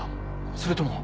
それとも。